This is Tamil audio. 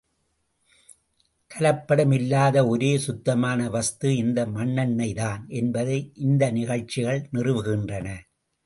கலப்படம் இல்லாத ஒரே ஒரு சுத்தமான வஸ்து இந்த மண்ணெண்ணெய்தான் என்பதை இந்த நிகழ்ச்சிகள் நிறுவுகின்றன.